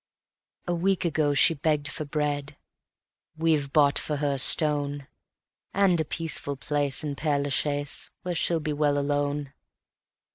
... A week ago she begged for bread; we've bought for her a stone, And a peaceful place in Père La Chaise where she'll be well alone.